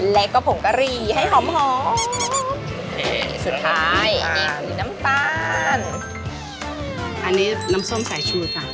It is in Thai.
แล้วก็ผงกะหรี่ให้หอมหอมสุดท้ายน้ำตาลอันนี้น้ำส้มใสชูค่ะ